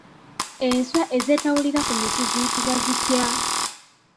Enswa ezeetawulira ku miti ziyitibwa zitya?